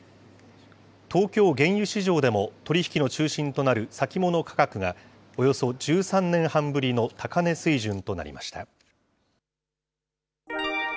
東京原油市場でも、取り引きの中心となる先物価格が、およそ１３年半ぶりの高値水準となりました。